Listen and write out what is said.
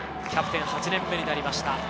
キャプテン８年目になりました。